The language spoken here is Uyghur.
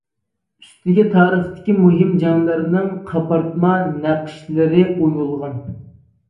ئۈستىگە تارىختىكى مۇھىم جەڭلەرنىڭ قاپارتما نەقىشلىرى ئويۇلغان.